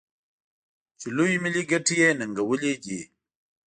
چې لویې ملي ګټې یې ننګولي دي.